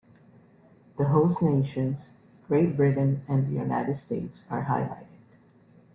The host nations, Great Britain and the United States, are highlighted.